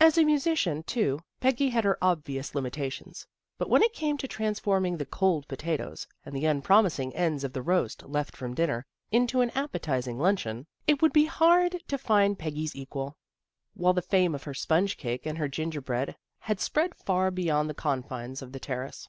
As a musician, too, Peggy had her obvious limitations, but when it came to transforming the cold potatoes, and the unpromising ends of the roast left from dinner, into an appetizing luncheon, it 17 18 THE GIRLS OF FRIENDLY TERRACE would be hard to find Peggy's equal; while the fame of her sponge cake and her ginger bread had spread far beyond the confines of the Terrace.